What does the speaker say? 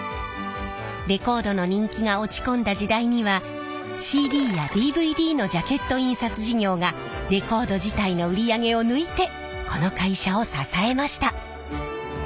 レコードの人気が落ち込んだ時代にはＣＤやＤＶＤのジャケット印刷事業がレコード自体の売り上げを抜いてこの会社を支えました。